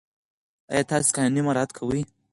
آیا تاسې قانون مراعات کوئ؟